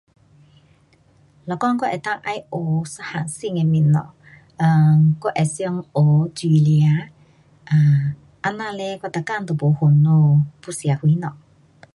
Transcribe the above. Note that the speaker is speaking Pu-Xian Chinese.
若讲我能够再学一样新的东西，um 我会想学煮吃，um 这样嘞我每天就不烦恼，要吃什么。